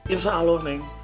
insya allah neng